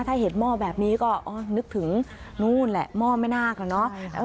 ถ้าเห็นหม้อแบบนี้ก็นึกถึงนู่นแหละหม้อแม่นาคอะเนาะ